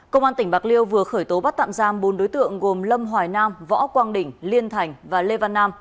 công an tp hcm vừa khởi tố bắt tạm giam bốn đối tượng gồm lâm hoài nam võ quang đỉnh liên thành và lê văn nam